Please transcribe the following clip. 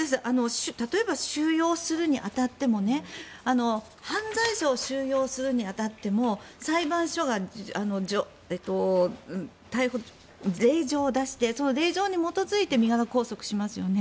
例えば収容するに当たっても犯罪者を収容するに当たっても裁判所が令状を出してその令状に基づいて身柄拘束しますよね。